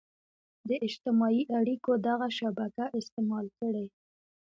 د اجتماعي اړيکو دغه شبکه استعمال کړي.